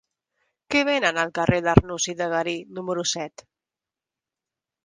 Què venen al carrer d'Arnús i de Garí número set?